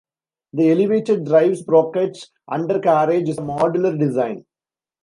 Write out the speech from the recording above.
The elevated-drive-sprocket undercarriage is a modular design.